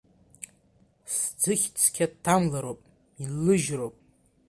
Сӡыхь-цқьа дҭамлароуп, инлыжьроуп.